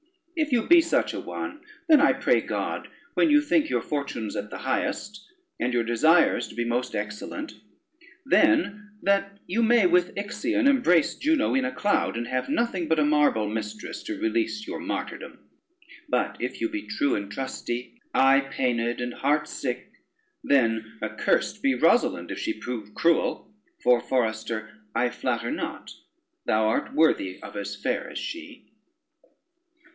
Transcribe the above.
If you be such a one, then I pray God, when you think your fortunes at the highest, and your desires to be most excellent, then that you may with Ixion embrace Juno in a cloud, and have nothing but a marble mistress to release your martyrdom; but if you be true and trusty, eye pained and heart sick, then accursed be Rosalynde if she prove cruel: for, forester (I flatter not) thou art worthy of as fair as she."